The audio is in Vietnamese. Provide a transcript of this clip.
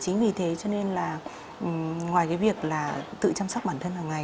chính vì thế cho nên là ngoài cái việc là tự chăm sóc bản thân hàng ngày